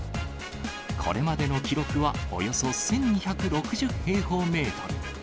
これまでの記録はおよそ１２６０平方メートル。